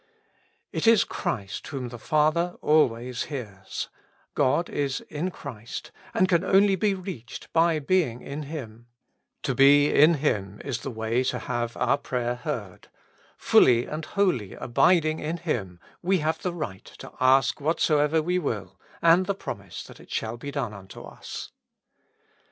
It is Christ whom the Father always hears ; God is in Christ, and can only be reached by being in Him ; to be in Him is the way to have our prayer heard ; fully and wholly ABIDING IN Him, we have the right to ask whatso ever we will, and the promise that it shall be done unto us.